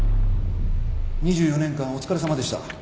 ２４年間お疲れさまでした。